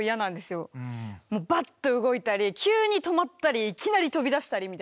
もうバッと動いたり急に止まったりいきなり飛び出したりみたいな。